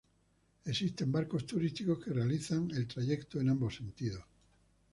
Existen barcos turísticos que realizan el trayecto en ambos sentidos.